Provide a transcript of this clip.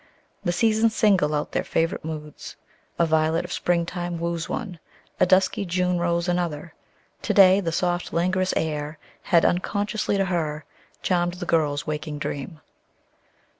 The seasons single out their favorite moods: a violet of spring time woos one, a dusky June rose another; to day the soft, languorous air had, unconsciously to her, charmed the girl's waking dream.